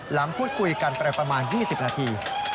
หลังพูดคุยกันไปประมาณ๒๐นาที